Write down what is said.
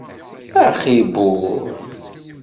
Axi buh!